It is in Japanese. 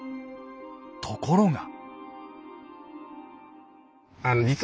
ところが。